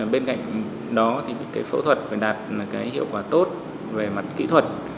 bên cạnh đó thì cái phẫu thuật phải đạt cái hiệu quả tốt về mặt kỹ thuật